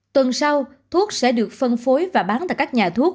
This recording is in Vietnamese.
tuần sau thuốc sẽ được phân phối và bán tại các nhà thuốc